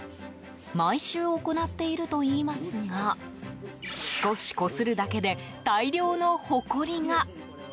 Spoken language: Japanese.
毎週行っているといいますが少しこするだけで大量のほこりが。